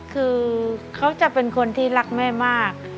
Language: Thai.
คือเขาจะเป็นคนที่รักแม่มาก